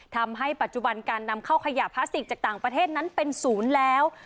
ทำให้ปัจจุบันการนำเข้าขยะพลาสติกจากต่างประเทศนั้นเป็นศูนย์แล้ว